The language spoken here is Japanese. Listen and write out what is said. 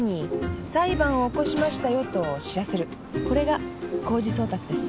これが公示送達です。